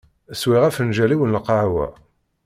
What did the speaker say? Swiɣ afenǧal-iw n lqahwa.